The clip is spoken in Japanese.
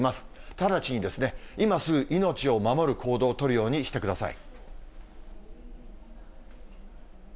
直ちに今すぐ命を守る行動を取るようにしてください。